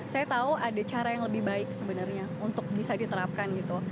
saya tahu ada cara yang lebih baik sebenarnya untuk bisa diterapkan gitu